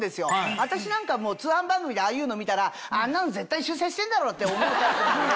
私なんか通販番組でああいうの見たらあんなの絶対修正してんだろって思うタイプなんで。